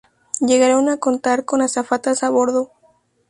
Llegaron a contar con azafatas a bordo.